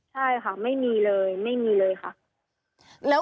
ใช่ค่ะไม่มีเลยไม่มีเลยค่ะ